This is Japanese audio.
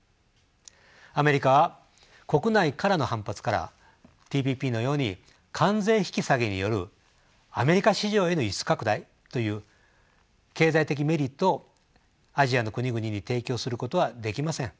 アメリカは国内からの反発からＴＰＰのように関税引き下げによるアメリカ市場への輸出拡大という経済的メリットをアジアの国々に提供することはできません。